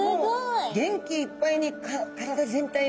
もう元気いっぱいに体全体を。